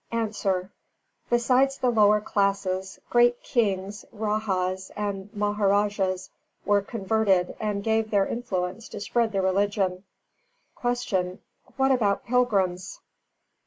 _ A. Besides the lower classes, great Kings, Rājās and Mahārājās were converted and gave their influence to spread the religion. 288. Q. _What about pilgrims?